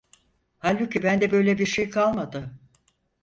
Halbuki bende böyle bir şey kalmadı.